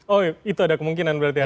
oh itu ada kemungkinan berarti ya